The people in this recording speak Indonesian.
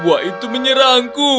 buah itu menyerangku